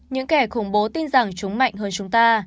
những kẻ khủng bố tin rằng chúng mạnh hơn chúng ta